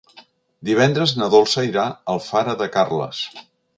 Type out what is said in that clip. Divendres na Dolça irà a Alfara de Carles.